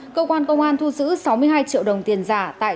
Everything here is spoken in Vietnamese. cơ quan công an thu giữ sáu mươi hai triệu đồng tiền giả